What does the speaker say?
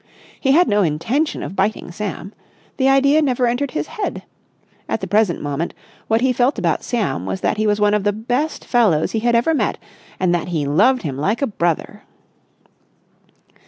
He had no intention of biting Sam. The idea never entered his head. At the present moment what he felt about Sam was that he was one of the best fellows he had ever met and that he loved him like a brother.